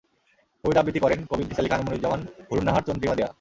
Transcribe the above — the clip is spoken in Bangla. কবিতা আবৃত্তি করেন, কবি ইদ্রিস আলী খান, মুনিরুজ্জামান, হুরুন্নাহার, চন্দ্রিমা দেয়া।